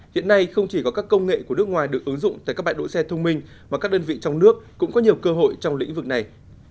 hiện nay không chỉ có các công nghệ của nước ngoài được ứng dụng tại các bãi đỗ xe thông minh mà các đơn vị trong nước cũng có nhiều cơ hội trong lĩnh vực này